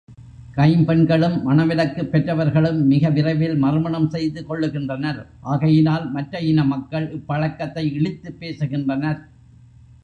கைம்பெண்களும், மணவிலக்குப் பெற்றவர்களும் மிக விரைவில் மறுமணம் செய்து கொள்ளுகின்றனர், ஆகையினால் மற்ற இனமக்கள் இப்பழக்கத்தை இழித்துப் பேசுகின்றனர்.